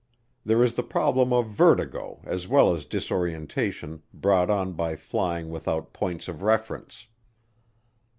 There is the problem of vertigo as well as disorientation brought on by flying without points of reference.